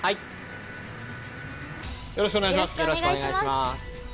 よろしくお願いします。